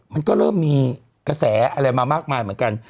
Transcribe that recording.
มันก็เริ่มมีแกษอะไรมามากเหมือนกัน